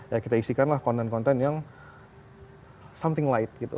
ya kita isikanlah konten konten yang something light gitu